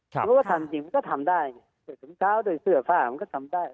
ถ้าเขาทำจริงก็ทำได้เสื้อผ้าเขาก็ทำได้